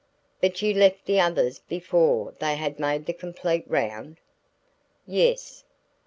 "But you left the others before they had made the complete round?" "Yes."